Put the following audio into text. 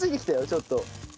ちょっと。